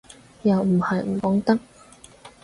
又唔係唔講得